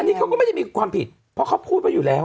อันนี้เขาก็ไม่ได้มีความผิดเพราะเขาพูดไว้อยู่แล้ว